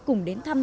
cùng đến thăm